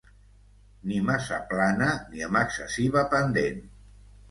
ni massa plana ni amb excessiva pendent